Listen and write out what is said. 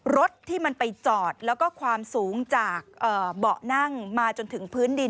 รถที่มันไปจอดแล้วก็ความสูงจากเบาะนั่งมาจนถึงพื้นดิน